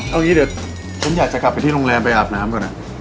เอางี้เดี๋ยวฉันอยากจะกลับไปที่โรงแรมไปอาบน้ำก่อน